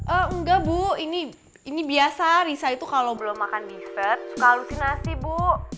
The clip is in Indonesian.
enggak bu ini biasa risa itu kalau belum makan dessert kalsi nasi bu